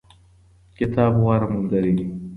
کتاب غوره ملګری دی.